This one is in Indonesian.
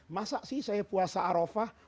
masa sih saya puasa arofah